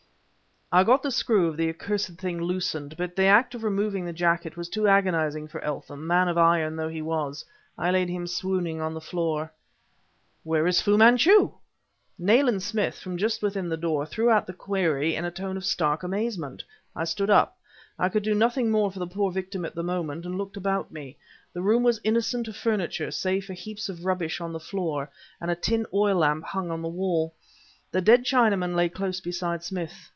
I got the screw of the accursed thing loosened, but the act of removing the jacket was too agonizing for Eltham man of iron though he was. I laid him swooning on the floor. "Where is Fu Manchu?" Nayland Smith, from just within the door, threw out the query in a tone of stark amaze. I stood up I could do nothing more for the poor victim at the moment and looked about me. The room was innocent of furniture, save for heaps of rubbish on the floor, and a tin oil lamp hung, on the wall. The dead Chinaman lay close beside Smith.